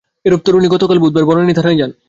এরপর তরুণী গতকাল বুধবার বনানী থানায় যান।